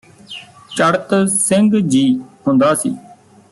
ਚੜਤ ਸਿੰਘ ਜੀ ਹੁੰਦਾ ਸੀ